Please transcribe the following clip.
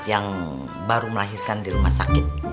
yang baru melahirkan di rumah sakit